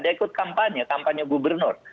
dan ikut kampanye kampanye gubernur